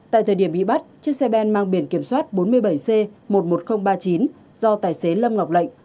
tại thời điểm bị bắt chiếc xe ben mang biển kiểm soát bốn mươi bảy c một mươi một nghìn ba mươi chín do tài xế lâm ngọc lệnh